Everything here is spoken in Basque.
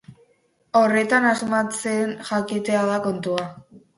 Horretan asmatzen jakitea da kontua.